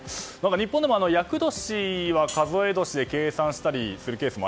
日本でも、厄年は数え年で計算したりしますよね。